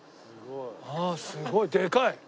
ああすごいでかい！